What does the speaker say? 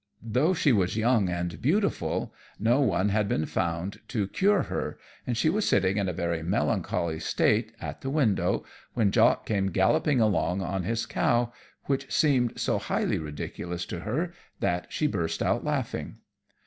Though she was young and beautiful no one had been found to cure her, and she was sitting in a very melancholy state, at the window, when Jock came galloping along on his cow, which seemed so highly ridiculous to her that she burst out laughing.